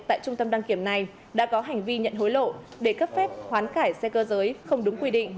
tại trung tâm đăng kiểm này đã có hành vi nhận hối lộ để cấp phép hoán cải xe cơ giới không đúng quy định